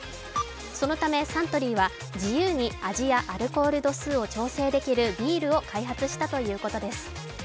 そのためサントリーは自由に味やアルコール度数を調整できるビールを開発したということです。